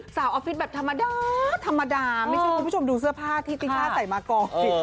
ออฟฟิศแบบธรรมดาธรรมดาไม่ใช่คุณผู้ชมดูเสื้อผ้าที่ติน่าใส่มาก่อน